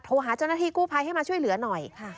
หาเจ้าหน้าที่กู้ภัยให้มาช่วยเหลือหน่อย